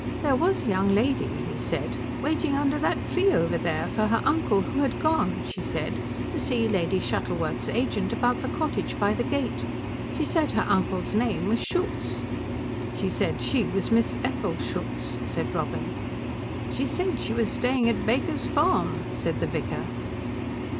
"There was a young lady," he said, "waiting under that tree over there for her uncle who had gone, she said, to see Lady Shuttleworth's agent about the cottage by the gate. She said her uncle's name was Schultz." "She said she was Miss Ethel Schultz," said Robin. "She said she was staying at Baker's Farm," said the vicar.